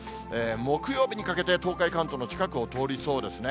木曜日にかけて、東海、関東の近くを通りそうですね。